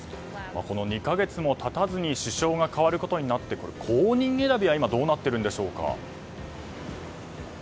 ２か月も経たずに首相が代わることになって後任選びは今どうなっているんでしょうか。